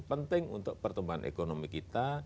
penting untuk pertumbuhan ekonomi kita